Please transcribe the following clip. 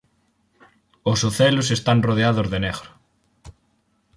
Os ocelos están rodeados de negro.